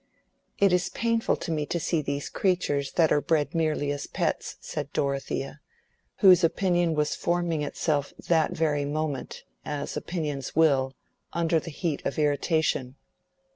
"It is painful to me to see these creatures that are bred merely as pets," said Dorothea, whose opinion was forming itself that very moment (as opinions will) under the heat of irritation.